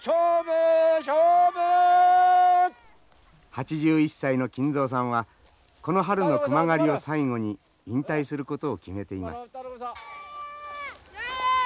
８１歳の金蔵さんはこの春の熊狩りを最後に引退することを決めています。